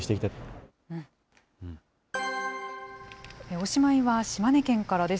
おしまいは、島根県からです。